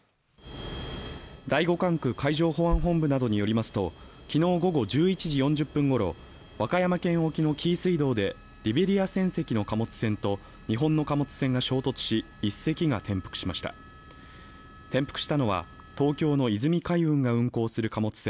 第五管区海上保安本部などによりますときのう午後１１時４０分ごろ和歌山県沖の紀伊水道でリベリア船籍の貨物船と日本の貨物船が衝突し１隻が転覆しました転覆したのは東京の泉海運が運航する貨物船